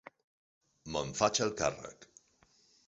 Me'n faig el càrrec.